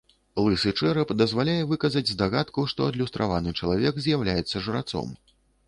Лысы чэрап дазваляе выказаць здагадку, што адлюстраваны чалавек з'яўляецца жрацом.